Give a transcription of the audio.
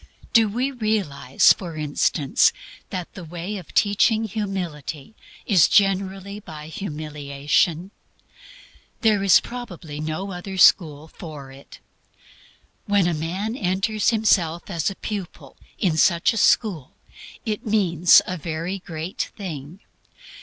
Do we realize, for instance, that the way of teaching humility is generally by humiliation? There is probably no other school for it. When a man enters himself as a pupil in such a school it means a very great thing.